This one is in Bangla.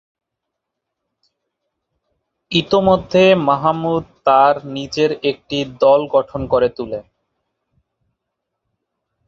ইতোমধ্যে মাহমুদ তার নিজের একটি দল গঠন করে তুলে।